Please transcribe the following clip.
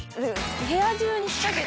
部屋中に仕掛けてある。